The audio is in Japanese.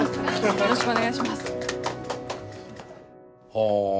はあ。